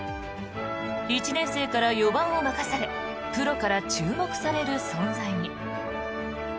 １年生から４番を任されプロから注目される存在に。